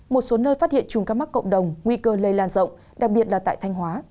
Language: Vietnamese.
một số nơi phát hiện chùm các mắc cộng đồng nguy cơ lây lan rộng đặc biệt là tại thanh hóa